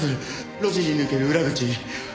路地に抜ける裏口。